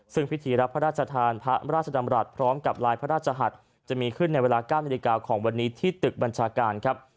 ซึ่งพิธีรับพระราชทานพระราชดำรัฐพร้อมกับลายพระราชหัสจะมีขึ้นในเวลา๙นาฬิกาของวันนี้ที่ตึกบัญชาการครับ